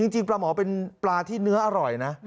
จริงปลาหมอเป็นปลาที่เนื้ออร่อยนะ